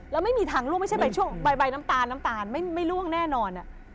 แล้วไม่มีทางล่วงไม่ใช่ใบช่วงใบน้ำตาลน้ำตาลไม่ล่วงแน่นอน